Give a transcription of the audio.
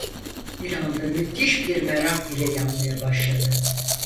Bir anda müthiş bir merak ile yanmaya başladı: